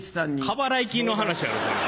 過払い金の話やろそれ。